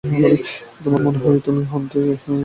তোমার মনে হয় তুমিই শুধু ক্লান্ত?